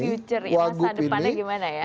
future masa depannya gimana ya